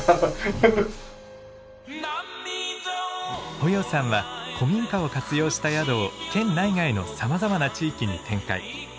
保要さんは古民家を活用した宿を県内外のさまざまな地域に展開。